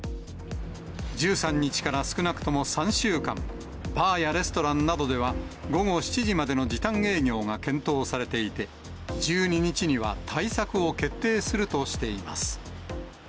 １３日から少なくとも３週間、バーやレストランなどでは、午後７時までの時短営業が検討されていて、１２日には対策を決定するとしています。